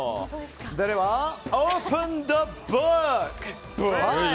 では、オープンザブック！